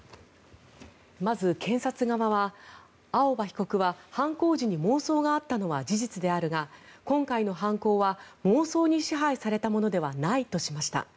まず検察側は青葉被告は犯行時に妄想があったのは事実であるが今回の犯行は妄想に支配されたものではないとしました。